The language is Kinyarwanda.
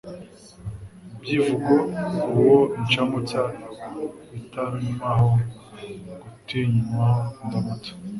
byivugo-Uwo indamutsa itarumvwaho gutinyUwo indamutsa